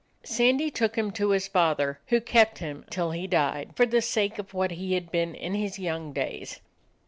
Sandy took him to his father, who kept him till he died, for the sake of what he had been in his young days.